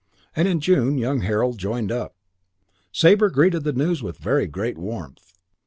And in June young Harold joined up. Sabre greeted the news with very great warmth.